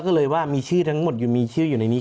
ก็เลยว่ามีชื่อทั้งหมดอยู่ในนี้